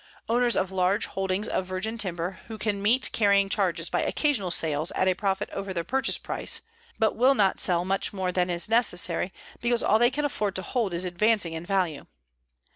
Owners of large holdings of virgin timber who can meet carrying charges by occasional sales at a profit over their purchase price, but will not sell much more than is necessary because all they can afford to hold is advancing in value.